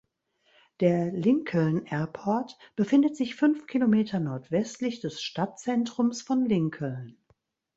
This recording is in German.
Der Lincoln Airport befindet sich fünf Kilometer nordwestlich des Stadtzentrums von Lincoln.